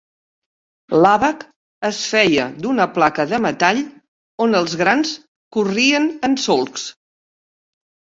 L'àbac es feia d'una placa de metall on els grans corrien en solcs.